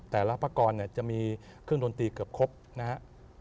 แต่ละประกอบเนี่ยจะมีเครื่องดนตรีเกือบครบนะครับ